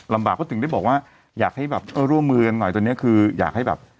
ลำบากเขาถึงได้บอกว่าอยากให้แบบร่วมมือกันหน่อยตอนนี้คืออยากให้แบบ